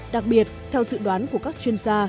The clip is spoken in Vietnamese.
đặc biệt theo dự đoán của các chuyên gia